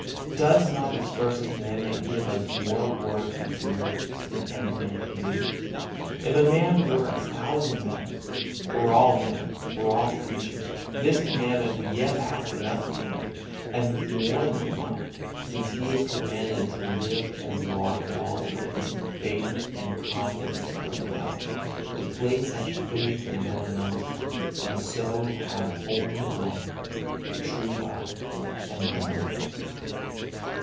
Does not this First Commandment give us more work to do than any man can do? If a man were a thousand men, or all men, or all creatures, this Commandment would yet ask enough of him, and more than enough, since he is commanded to live and walk at all times in faith and confidence toward God, to place such faith in no one else, and so to have only one, the true God, and none other.